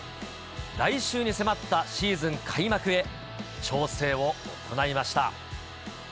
来週に迫ったシーズン開幕へ、調整を行いました。